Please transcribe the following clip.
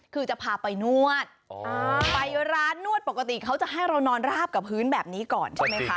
คือจะพาไปนวดไปร้านนวดปกติเขาจะให้เรานอนราบกับพื้นแบบนี้ก่อนใช่ไหมคะ